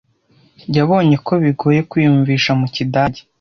Yabonye ko bigoye kwiyumvisha mu kidage.